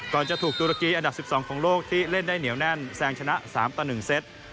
จะถูกตุรกีอันดับ๑๒ของโลกที่เล่นได้เหนียวแน่นแซงชนะ๓ต่อ๑เซต